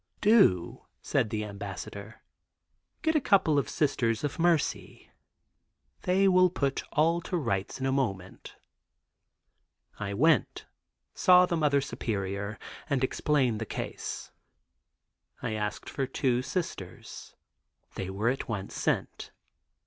'Do?' said the Ambassador; 'get a couple of Sisters of Mercy; they will put all to rights in a moment.' I went, saw the Mother Superior and explained the case. I asked for two Sisters. They were at once sent.